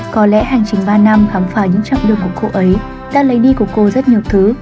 có lẽ hành trình ba năm khám phá những chặng đường của cô ấy đã lấy đi của cô rất nhiều thứ